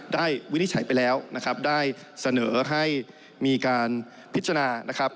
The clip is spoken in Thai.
วินิจฉัยไปแล้วนะครับได้เสนอให้มีการพิจารณานะครับ